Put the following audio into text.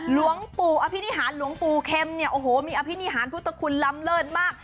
หลวงปู่อภินิหารหลวงปู่เข็มเนี่ยโอ้โหมีอภินิหารพุทธคุณล้ำเลิศมาก